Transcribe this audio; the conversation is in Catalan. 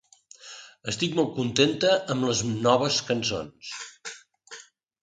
Estic molt contenta amb les noves cançons.